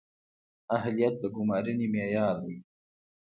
اهلیت د ګمارنې معیار دی